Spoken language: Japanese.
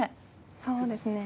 そうですね。